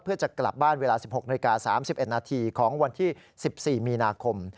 เพื่อจะกลับบ้านเวลา๑๖นาฬิกา๓๑นาทีของวันที่๑๔มีนาคม